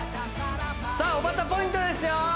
さあおばたポイントですよ